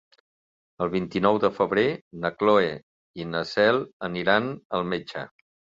El vint-i-nou de febrer na Cloè i na Cel aniran al metge.